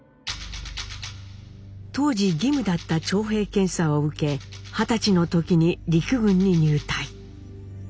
当時義務だった徴兵検査を受け二十歳の時に陸軍に入隊。